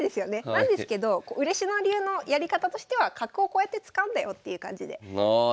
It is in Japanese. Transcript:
なんですけど嬉野流のやり方としては角をこうやって使うんだよっていう感じで覚えてきたら。